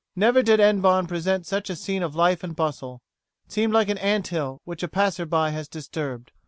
Never did Hennebon present such a scene of life and bustle. It seemed like an ant hill which a passer by has disturbed.